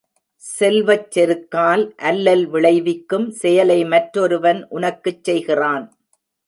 செல்வச் செருக்கால் அல்லல் விளைவிக்கும் செயலை மற்றொருவன் உனக்குச் செய்கிறான்.